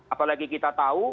apalagi kita tahu